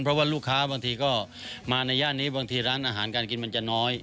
เพราะว่าลูกค้าบางทีก็มาในย่านนี้บางทีร้านอาหารการกินมันจะน้อย